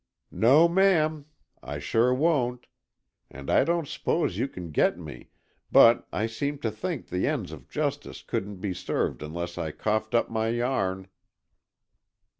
"No, ma'am, I sure won't. And, I don't s'pose you can get me, but I seemed to think the ends of justice couldn't be served unless I coughed up my yarn."